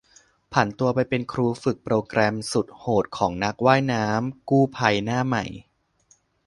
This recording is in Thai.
ผันตัวไปเป็นครูฝึกโปรแกรมสุดโหดของนักว่ายน้ำกู้ภัยหน้าใหม่